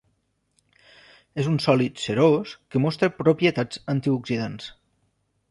És un sòlid cerós que mostra propietats antioxidants.